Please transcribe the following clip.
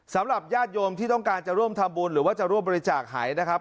สำหรับญาติโยมที่ต้องการจะร่วมทำบุญหรือว่าจะร่วมบริจาคหายนะครับ